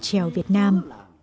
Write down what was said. trèo việt nam